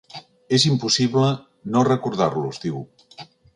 “És impossible no recordar-los”, diu.